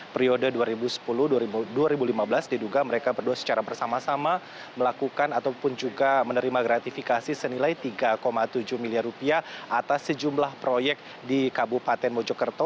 periode dua ribu sepuluh dua ribu lima belas diduga mereka berdua secara bersama sama melakukan ataupun juga menerima gratifikasi senilai tiga tujuh miliar rupiah atas sejumlah proyek di kabupaten mojokerto